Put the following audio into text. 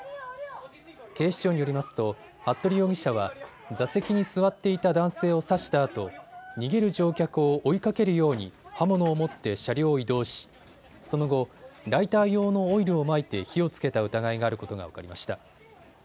警視庁によりますと服部容疑者は座席に座っていた男性を刺したあと逃げる乗客を追いかけるように刃物を持って車両を移動しその後、ライター用のオイルをまいて火をつけた疑いがあることが分かりました。